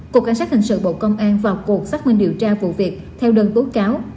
cục cảnh sát hình sự bộ công an vào cuộc xác minh điều tra vụ việc theo đơn tố cáo